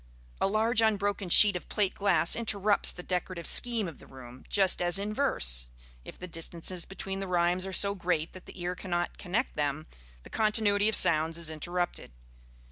A large unbroken sheet of plate glass interrupts the decorative scheme of the room, just as in verse, if the distances between the rhymes are so great that the ear cannot connect them, the continuity of sound is interrupted.